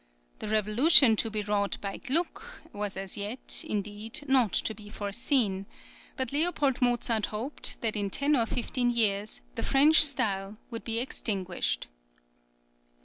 The revolution to be wrought by Gluck, was as yet, indeed, not to be foreseen; but L. Mozart hoped that in ten or fifteen years the French style would be extinguished.